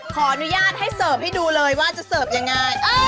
ขออนุญาตให้เสิร์ฟให้ดูเลยว่าจะเสิร์ฟยังไง